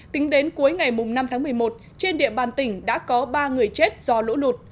tính đến cuối ngày năm tháng một mươi một trên địa bàn tỉnh đã có ba người chết do lũ lụt